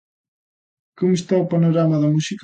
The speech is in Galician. Como está o panorama da música?